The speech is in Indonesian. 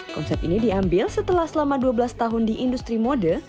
konsep ini diambil setelah selama dua belas tahun di industri mode